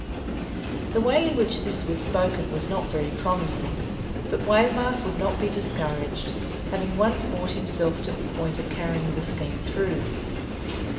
The way in which this was spoken was not very promising, but Waymark would not be discouraged, having once brought himself to the point of carrying the scheme through.